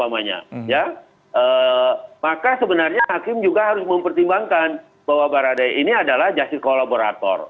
maka sebenarnya hakim juga harus mempertimbangkan bahwa baradae ini adalah justice kolaborator